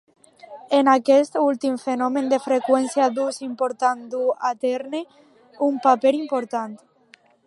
En aquest últim fenomen la freqüència d’ús important du a terme un paper important.